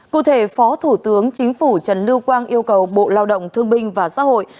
cụ thể phó thủ tướng chính phủ trần lưu quang yêu cầu bộ lao động thương binh và xã hội